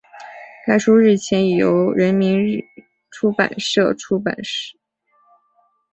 该书日前已由人民出版社出版